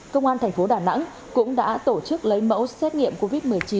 công an thành phố đà nẵng cũng đã tổ chức lấy mẫu xét nghiệm covid một mươi chín